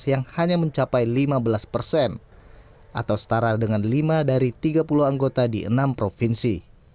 yang hanya mencapai lima belas persen atau setara dengan lima dari tiga puluh anggota di enam provinsi